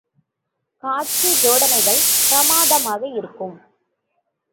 காட்சி ஜோடனைகள் பிரமாதமாக இருக்கும்.